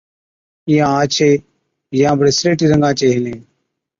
يان آڇين، يان بڙي سليٽِي رنگا چين هِلين۔